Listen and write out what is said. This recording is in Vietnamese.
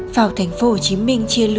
vào thành phố hồ chí minh chia lửa